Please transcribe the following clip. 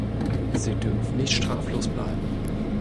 Sie dürfen nicht straflos bleiben.